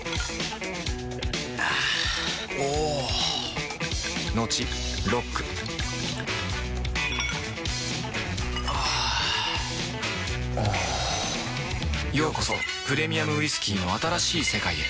あぁおぉトクトクあぁおぉようこそプレミアムウイスキーの新しい世界へ